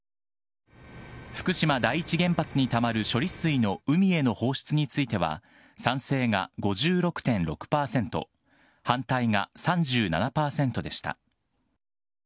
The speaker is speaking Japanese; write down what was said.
福島第一原発にたまる処理水の海への放出については、賛成が５６．６％、反対が３７％でした。